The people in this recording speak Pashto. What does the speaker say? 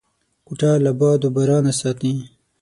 کوټه له باد و بارانه ساتي.